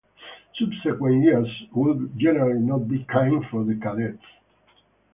Subsequent years would generally not be kind for the Cadets.